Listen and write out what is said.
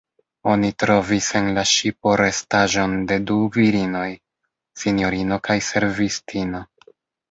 Oni trovis en la ŝipo restaĵon de du virinoj: sinjorino kaj servistino.